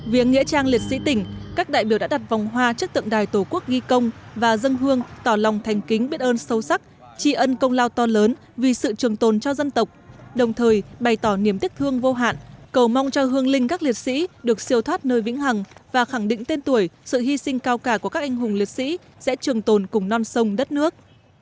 về nghĩa trang liệt sĩ tỉnh các đại biểu đã đặt vòng hoa chức tượng đài tổ quốc ghi công và dân hương tỏ lòng thành kính biết ơn sâu sắc tri ân công lao to lớn vì sự trường tồn cho dân tộc đồng thời bày tỏ niềm tiếc thương vô hạn cầu mong cho hương linh các liệt sĩ được siêu thoát nơi vĩnh hằng và khẳng định tên tuổi sự hy sinh cao cả của các anh hùng liệt sĩ sẽ trường tồn cùng non sông đất nước